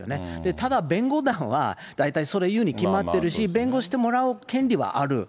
ただ、弁護団は大体、それ言うに決まっているし、弁護してもらう権利はある。